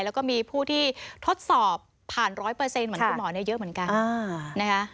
แล้วก็มีผู้ที่ทดสอบผ่านร้อยเปอร์เซ็นต์เหมือนคุณหมอเนี่ยเยอะเหมือนกันอ่า